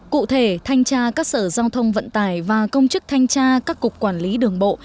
cụ thể thanh tra các sở giao thông vận tải và công chức thanh tra các cục quản lý đường bộ